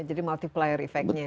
jadi multiplier efeknya